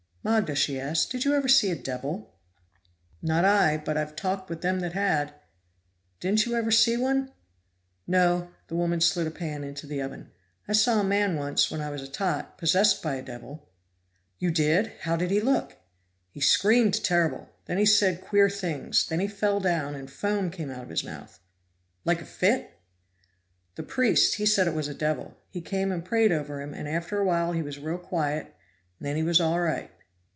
"Magda," she asked, "did you ever see a devil?" "Not I, but I've talked with them that had." "Didn't you ever see one?" "No." The woman slid a pan into the oven. "I saw a man once, when I was a tot, possessed by a devil." "You did? How did he look?" "He screamed terrible, then he said queer things. Then he fell down and foam came out of his mouth." "Like a fit?" "The Priest, he said it was a devil. He came and prayed over him, and after a while he was real quiet, and then he was all right."